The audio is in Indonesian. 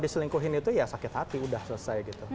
diselingkuhin itu ya sakit hati udah selesai gitu